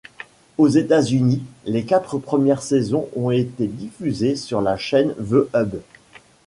Aux États-Unis, les quatre premières saisons ont été diffusées sur la chaîne The Hub.